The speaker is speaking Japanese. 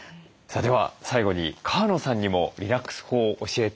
では最後に川野さんにもリラックス法を教えて頂きます。